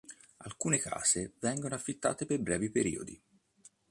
Alcune case vengono affittate per brevi periodi.